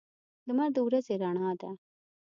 لمر د ورځې رڼا ده.